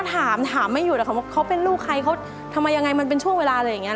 ทำไมยังไงมันเป็นช่วงเวลาอะไรอย่างเงี้ย